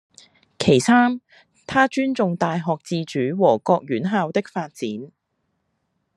其三，她尊重大學自主和各院校的發展